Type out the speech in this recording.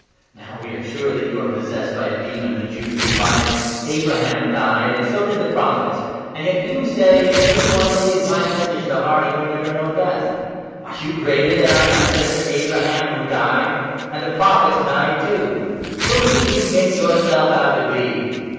" Now we are sure that you are possessed by a demon," the 52 Jews replied. "Abraham died, and so did the Prophets ; and yet you say ' If any one lays my Message to heart, he will never know death.' Are you greater than our ancestor Abraham, 53 who died ? And the Prophets died too. Whom do you make yourself out to be